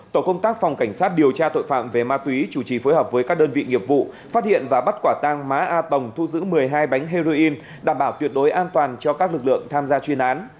tổ công tác phòng cảnh sát điều tra tội phạm về ma túy chủ trì phối hợp với các đơn vị nghiệp vụ phát hiện và bắt quả tang má a pồng thu giữ một mươi hai bánh heroin đảm bảo tuyệt đối an toàn cho các lực lượng tham gia chuyên án